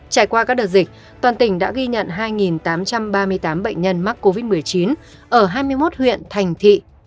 trải qua các đợt dịch toàn tỉnh đã ghi nhận hai tám trăm ba mươi tám bệnh nhân mắc covid một mươi chín ở hai mươi một huyện thành thị